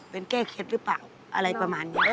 เป็นแก้เคล็ดหรือเปล่าอะไรประมาณนี้